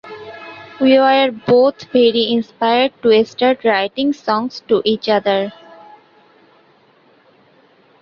We were both very inspired to start writing songs to each other.